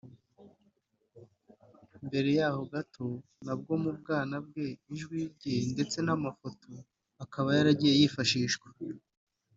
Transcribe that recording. Mbere yaho gato nabwo mu bwana bwe ijwi rye ndetse n’amafoto akaba yaragiye yifashishwa